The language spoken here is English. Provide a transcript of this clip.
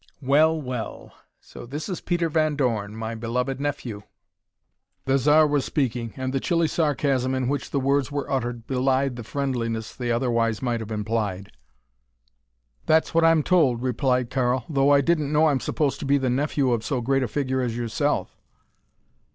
"Well, well, so this is Peter Van Dorn, my beloved nephew." The Zar was speaking and the chilly sarcasm in which the words were uttered belied the friendliness they otherwise might have implied. "That's what I'm told," replied Karl, "though I didn't know I'm supposed to be the nephew of so great a figure as yourself."